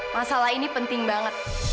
masalah ini penting banget